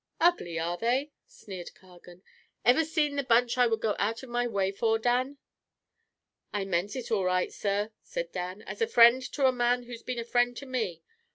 "Ugly, are they?" sneered Cargan. "Ever seen the bunch I would go out of my way for, Dan?" "I meant it all right, sir," said Dan. "As a friend to a man who's been a friend to me.